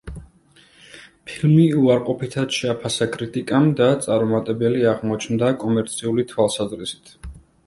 ფილმი უარყოფითად შეაფასა კრიტიკამ და წარუმატებელი აღმოჩნდა კომერციული თვალსაზრისით.